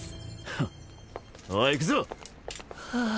フンおい行くぞ！はあ